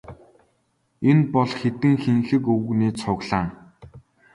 Энэ бол хэдэн хэнхэг өвгөний цуглаан.